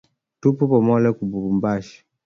Tu pomole kibumbashi